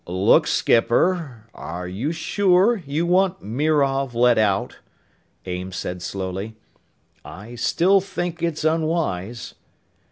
"Look, skipper, are you sure you want Mirov let out?" Ames said slowly. "I still think it's unwise."